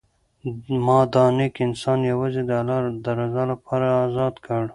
ما دا نېک انسان یوازې د الله د رضا لپاره ازاد کړ.